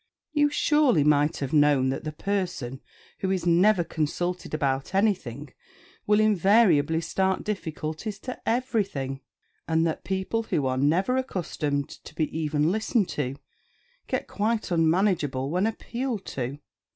You surely might have known that the person who is never consulted about anything will invariably start difficulties to everything; and that people who are never accustomed to be even listened to get quite unmanageable when appealed to.